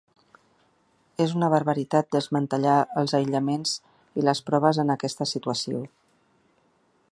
És una barbaritat desmantellar els aïllaments i les proves en aquesta situació.